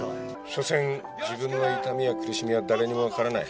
所詮、自分の痛みや苦しみは誰にも分からない。